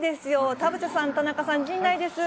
田臥さん、田中さん、陣内です。